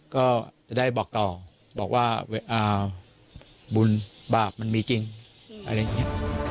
ก็จะได้บอกต่อบอกว่าบุญบาปมันมีจริงอะไรอย่างนี้